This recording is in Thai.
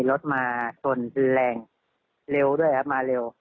รถมาแรงเติมไปเร็ว